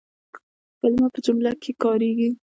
کلیمه په جمله کښي کارېږي.